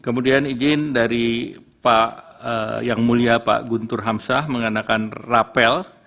kemudian izin dari pak yang mulia pak guntur hamsah mengenakan rapel